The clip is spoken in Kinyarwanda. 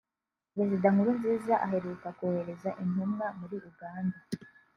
Perezida Nkurunziza aheruka kohereza intumwa muri Uganda